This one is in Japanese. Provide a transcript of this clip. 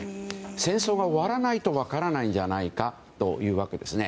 戦争が終わらないと分からないんじゃないかというわけですね。